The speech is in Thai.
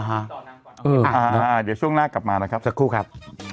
เดี๋ยวช่วงหน้ากลับมานะครับสักครู่ครับ